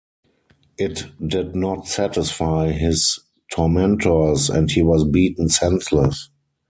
It did not satisfy his tormentors, and he was beaten senseless.